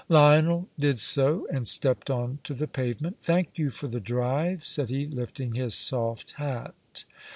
Lionel did so, and stepped on to the pavement. "Thank you for the drive," said he, lifting his soft hat.